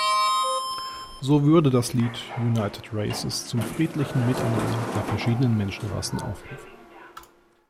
So würde das Lied "United Races" zum friedlichen Miteinander der verschiedenen Menschenrassen aufrufen.